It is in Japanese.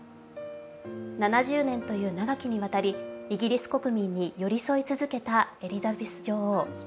７０年という長きにわたりイギリス国民に寄り添い続けたエリザベス女王。